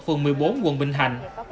phường một mươi bốn quận bình hạnh